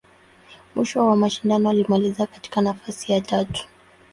Mwisho wa mashindano, alimaliza katika nafasi ya tatu.